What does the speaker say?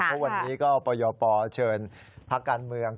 เพราะวันนี้ก็ปยปเชิญพักการเมือง